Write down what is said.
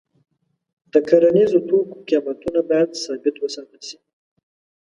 د کرنیزو توکو قیمتونه باید ثابت وساتل شي.